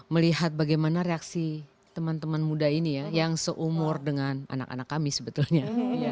melihat bagaimana reaksi teman teman muda ini ya yang seumur dengan anak anak kami sebetulnya